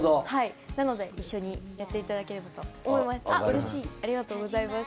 なので、一緒にやっていただければと思います。